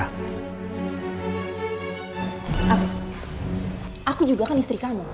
aku juga kan istri kamu